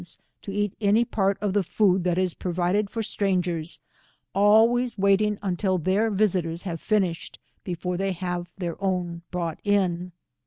to eat any part of the food that is provided for strangers, always waiting un til their visitors have finished, before they have their own brought in.